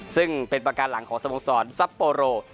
ซึ่งเป็นประการหลังของสโมสรซับโปโร